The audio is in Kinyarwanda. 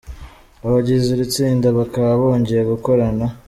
Abagize iri tsinda bakaba bongeye gukorana